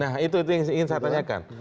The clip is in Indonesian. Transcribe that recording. nah itu yang ingin saya tanyakan